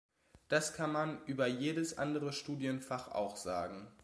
Das kann man über jedes andere Studienfach auch sagen.